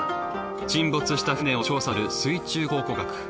沈没した船を調査する水中考古学。